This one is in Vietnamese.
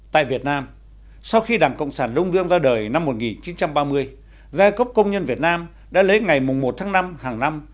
tại việt nam sau khi đảng cộng sản đông dương ra đời năm một nghìn chín trăm ba mươi giai cấp công nhân việt nam đã lấy ngày một tháng năm hàng năm